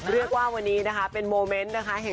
เรือกว่าวันนี้เป็นโมเมนต์